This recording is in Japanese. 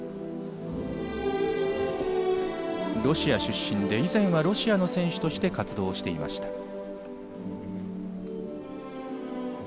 ロシア出身で以前はロシアの選手として活動していました。